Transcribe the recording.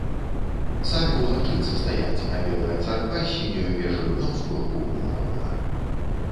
Самі ў лагчынцы стаяць, а белая царква з сіняю вежаю на ўзгорку вымуравана.